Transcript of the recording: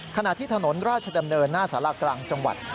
ขณะที่ถนนราชดำเนินหน้าสารากลางจังหวัด